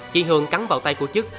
chị hường cắn vào tay của chức